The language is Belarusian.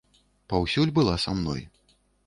Паўсюль была са мной.